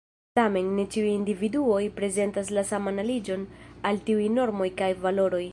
Tamen, ne ĉiuj individuoj prezentas la saman aliĝon al tiuj normoj kaj valoroj.